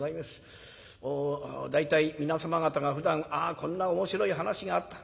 大体皆様方がふだん「あこんな面白い話があった。